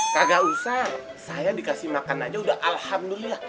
kagak usah saya dikasih makan aja udah alhamdulillah